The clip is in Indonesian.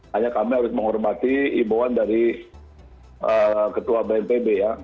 hanya kami harus menghormati imbauan dari ketua bnpb ya